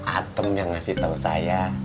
atem yang ngasih tahu saya